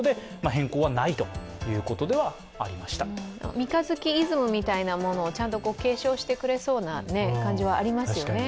三日月イズムみたいなものをちゃんと継承してくれそうな感じはありますよね。